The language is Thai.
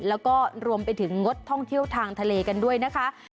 แล้วก็รวมไปถึงงดท่องเที่ยวทางทะเลกันด้วยนะคะ